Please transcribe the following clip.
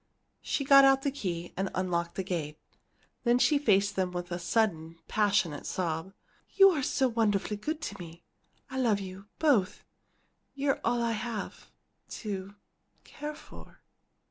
She got out the key, and unlocked the gate. Then she faced them with a sudden, passionate sob. "You are so wonderfully good to me! I love you both! You're all I have to care for!"